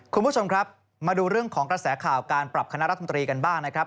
คุณผู้ชมครับมาดูเรื่องของกระแสข่าวการปรับคณะรัฐมนตรีกันบ้างนะครับ